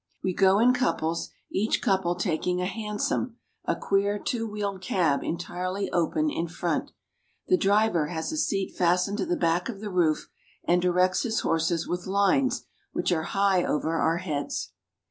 We go in couples, each couple taking a hansom, a queer two wheeled cab entirely open in front. The driver has a seat fastened to the back of the roof, and directs his horses with lines which are high over our heads.